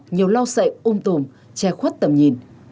nhiều lau sậy ung tùm che khuất tầm nhìn